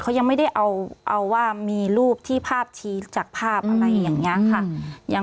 เขายังไม่ได้เอาว่ามีรูปที่ภาพชี้จากภาพอะไรอย่างนี้ค่ะ